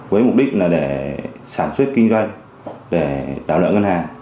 với mục đích là để sản xuất kinh doanh để đảo nợ ngân hàng